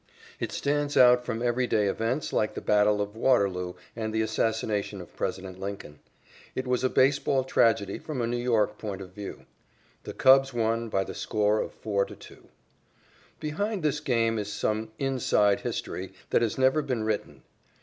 It stands out from every day events like the battle of Waterloo and the assassination of President Lincoln. It was a baseball tragedy from a New York point of view. The Cubs won by the score of 4 to 2. Behind this game is some "inside" history that has never been written.